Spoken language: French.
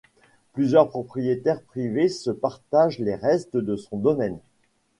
Plusieurs propriétaires privés se partagent les restes de son domaine.